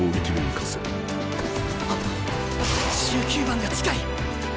１９番が近い！